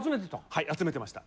はい集めてました。